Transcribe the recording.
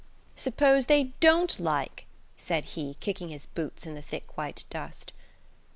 "Suppose they don't like?" said he, kicking his boots in the thick, white dust.